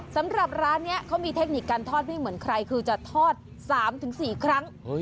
สำหรับร้านนี้เขามีเทคนิคการทอดไม่เหมือนใครคือจะทอด๓๔ครั้ง